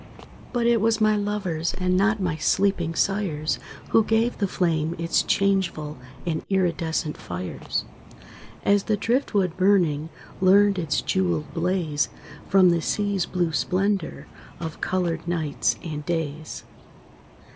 But it was my lovers, And not my sleeping sires, Who gave the flame its changeful And iridescent fires; As the driftwood burning Learned its jewelled blaze From the sea's blue splendor Of colored nights and days.